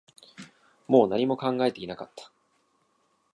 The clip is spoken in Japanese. もう何も考えていなかった